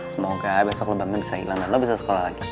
semoga besok lubangnya bisa hilang dan lo bisa sekolah lagi